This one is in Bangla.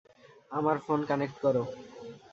আমার ফোন কানেক্ট করো।